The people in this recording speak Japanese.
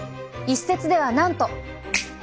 一説ではなんと。